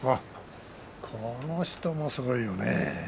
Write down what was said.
この人もすごいよね。